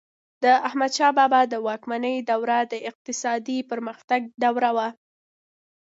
د احمدشاه بابا د واکمنۍ دوره د اقتصادي پرمختګ دوره وه.